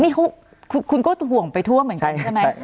นี่คุณก็ห่วงไปทั่วเหมือนกันใช่ไหม